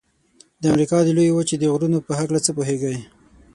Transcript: د امریکا د لویې وچې د غرونو په هکله څه پوهیږئ؟